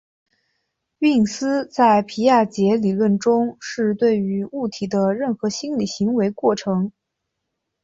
运思在皮亚杰理论中是对于物体的任何心理行为过程。